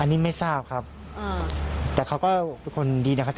อันนี้ไม่ทราบครับแต่เขาก็เป็นคนดีนะครับ